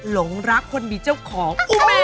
ลงรักคนมีเจ้าของอุแม่